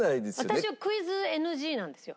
私はクイズＮＧなんですよ。